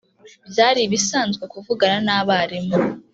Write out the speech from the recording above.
Byari ibisanzwe kuvugana n abarimu.